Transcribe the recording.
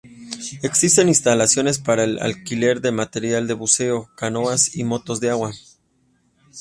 Existen instalaciones para el alquiler de material de buceo, canoas y motos de agua.